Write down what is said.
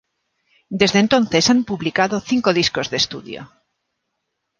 Desde entonces han publicado cinco discos de estudio.